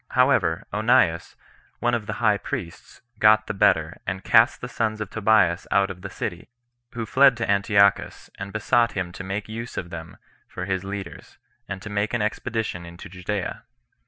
However, Onias, one of the high priests, got the better, and cast the sons of Tobias out of the city; who fled to Antiochus, and besought him to make use of them for his leaders, and to make an expedition into Judea.